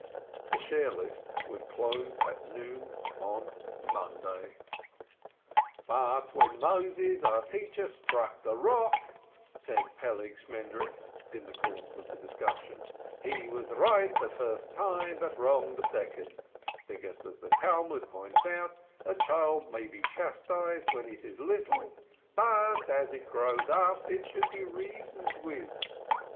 The share list would close at noon on Monday. "But when Moses, our teacher, struck the rock," said Peleg Shmendrik, in the course of the discussion, "he was right the first time but wrong the second, because as the Talmud points out, a child may be chastised when it is little, but as it grows up it should be reasoned with."